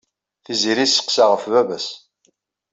Tiziri tesseqsa ɣef baba-s.